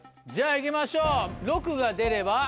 いきましょう。